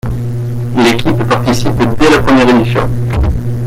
L'équipe participe dès la première édition.